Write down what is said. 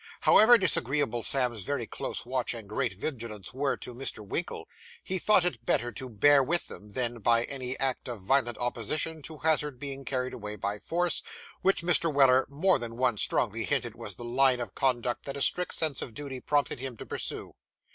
However disagreeable Sam's very close watch and great vigilance were to Mr. Winkle, he thought it better to bear with them, than, by any act of violent opposition, to hazard being carried away by force, which Mr. Weller more than once strongly hinted was the line of conduct that a strict sense of duty prompted him to pursue.